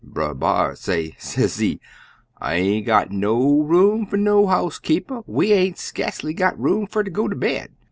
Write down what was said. Brer B'ar say, sezee, 'I aint got no room fer no housekeeper; we aint skacely got room fer ter go ter bed.